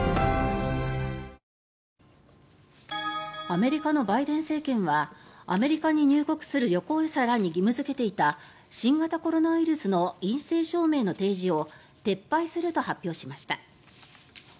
アメリカのバイデン政権はアメリカに入国する旅行者らに義務付けていた新型コロナウイルスの陰性証明の提示を撤廃すると発表しました。